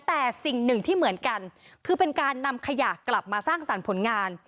แต่สิ่งหนึ่งที่เหมือนกันคือเป็นการนำขยะกลับมาสร้างสรรค์ผลงาน